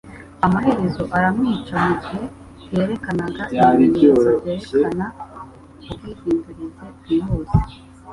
amaherezo aramwica mu gihe yerekanaga ibimenyetso byerekana ubwihindurize bwihuse